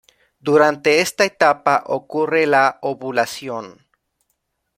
Durante esta etapa ocurre la ovulación.